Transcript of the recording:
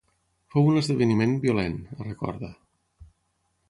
"Fou un esdeveniment violent", recorda.